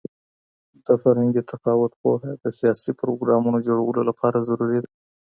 د فرهنګي تفاوت پوهه د سیاسي پروګرامونو جوړولو لپاره ضروري ده.